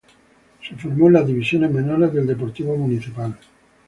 Se formó en las divisiones menores del Deportivo Municipal.